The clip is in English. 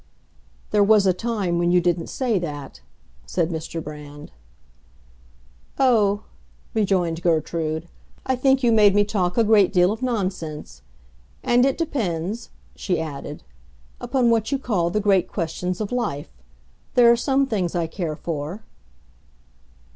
"There was a time when you didn't say that," said Mr. Brand. "Oh," rejoined Gertrude, "I think you made me talk a great deal of nonsense. And it depends," she added, "upon what you call the great questions of life. There are some things I care for."